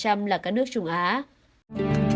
hãy đăng ký kênh để ủng hộ kênh của mình nhé